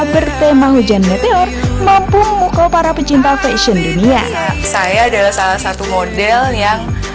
bertema hujan meteor mampu memukau para pecinta fashion dunia saya adalah salah satu model yang